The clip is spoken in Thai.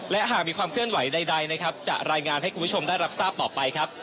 และหากมีความเคลื่อนไหวใดนะครับจะรายงานให้คุณผู้ชมได้รับทราบต่อไปครับ